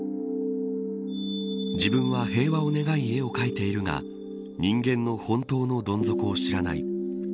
自分は平和を願い絵を描いているが人間の本当のどん底を知らない。